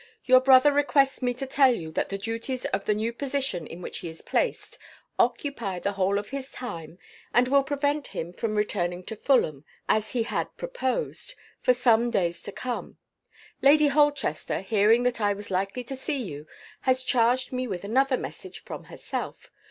"Your brother requests me to tell you that the duties of the new position in which he is placed occupy the whole of his time, and will prevent him from returning to Fulham, as he had proposed, for some days to come. Lady Holchester, hearing that I was likely to see you, has charged me with another message, from herself.